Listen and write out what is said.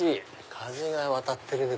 風が渡ってるね。